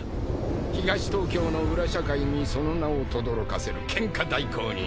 東東京の裏社会にその名をとどろかせるケンカ代行人。